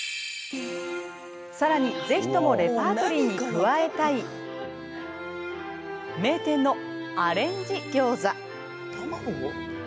さらにぜひともレパートリーに加えたい名店のアレンジギョーザ。